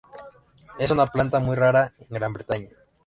Es una planta muy rara en Gran Bretaña.